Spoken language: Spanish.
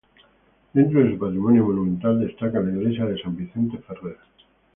Dentro de su patrimonio monumental destaca la iglesia de San Vicente Ferrer.